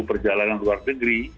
perjalanan luar negeri